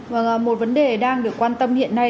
vâng một vấn đề đang được quan tâm hiện nay